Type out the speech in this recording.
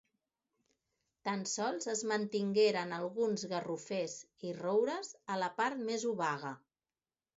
Tan sols es mantingueren alguns garrofers i roures a la part més obaga.